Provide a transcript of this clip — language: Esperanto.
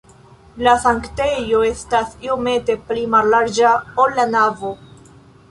La sanktejo estas iomete pli mallarĝa, ol la navo.